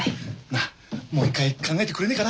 なあもう一回考えてくれねえかな？